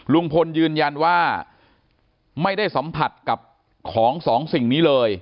ลุงพลยืนยันว่าไม่ได้สัมผัสกับของสองสิ่งนี้เลย